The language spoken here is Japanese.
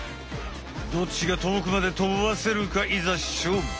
どっちがとおくまでとばせるかいざしょうぶ！